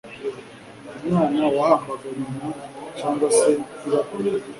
Umwana wahambaga nyina cyangwa se nyirakuru